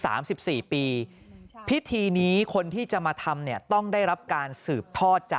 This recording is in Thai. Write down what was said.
สามสิบสี่ปีพิธีนี้คนที่จะมาทำเนี่ยต้องได้รับการสืบทอดจาก